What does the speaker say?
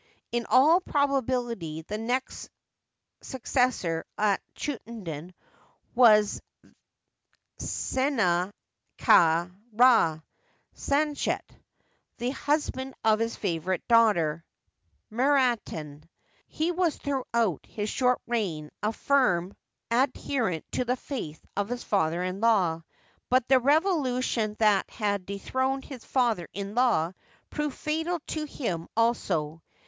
In all proba bility the next successor of Chuenaten was SeSa ka Ra Sanecht, the husband of his favorite daughter, Meraten, He was throughout his short reign a firm ad herent to the faith of his father in law ; but the revolution that had dethroned his father in law proved fatal to him also.